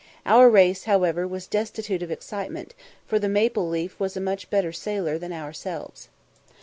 Our race, however, was destitute of excitement, for the Maple leaf was a much better sailer than ourselves.